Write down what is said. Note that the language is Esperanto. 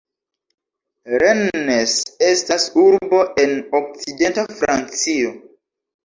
Rennes estas urbo en okcidenta Francio.